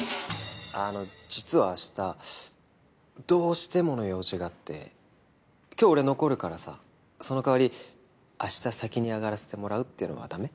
あの実は明日どうしてもの用事があって今日俺残るからさその代わり明日先に上がらせてもらうっていうのはダメ？